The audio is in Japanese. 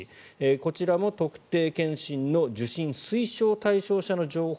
こちらも特定健診の受診推奨対象者の情報